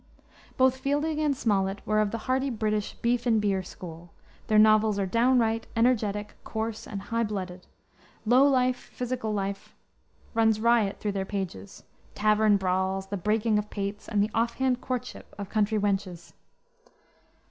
Both Fielding and Smollett were of the hearty British "beef and beer" school; their novels are downright, energetic, coarse, and high blooded; low life, physical life, runs riot through their pages tavern brawls, the breaking of pates, and the off hand courtship of country wenches.